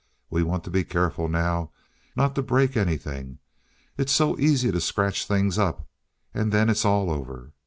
We want to be careful now not to break anything. It's so easy to scratch things up, and then it's all over."